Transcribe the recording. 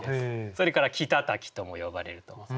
それから「木たたき」とも呼ばれると。